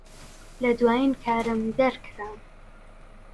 لە دوایین کارم دەرکرام.